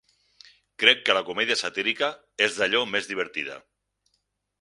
Crec que la comèdia satírica és d'allò més divertida.